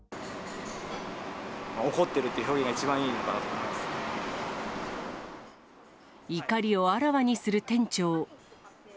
怒ってるっていう表現が一番怒りをあらわにする店長。